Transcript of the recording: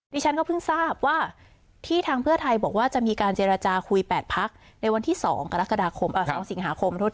ดิฉันก็เพิ่งทราบว่าที่ทางเพื่อไทยบอกว่าจะมีการเจรจาคุย๘พักในวันที่๒สิงหาคม